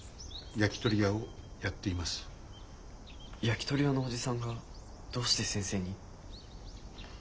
焼きとり屋のおじさんがどうして先生に？